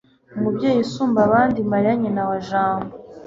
umubyeyi usumba abandi, mariya nyina wa jambo